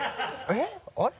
えっあれ？